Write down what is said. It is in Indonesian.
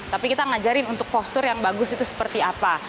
tapi kita ngajarin untuk postur yang bagus itu seperti apa